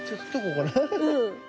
うん。